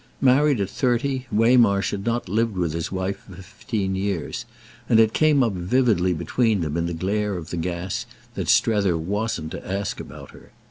Married at thirty, Waymarsh had not lived with his wife for fifteen years, and it came up vividly between them in the glare of the gas that Strether wasn't to ask about her.